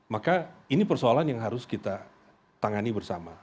maka ini persoalan yang harus kita tangani bersama